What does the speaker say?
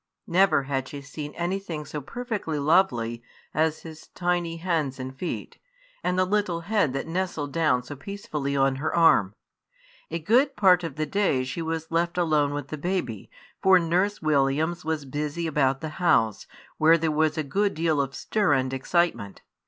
Never had she seen anything so perfectly lovely as his tiny hands and feet, and the little head that nestled down so peacefully on her arm. A good part of the day she was left alone with the baby, for Nurse Williams was busy about the house, where there was a good deal of stir and excitement.